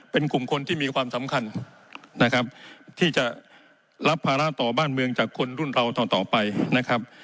เป็นกลุ่มคนที่มีความสำคัญนะครับที่จะรับภาระต่อบ้านเมืองจากคนรุ่นเราต่อไปนะครับ